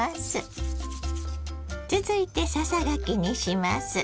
続いてささがきにします。